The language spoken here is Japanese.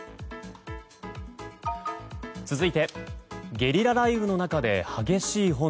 続いて、ゲリラ雷雨の中で激しい炎。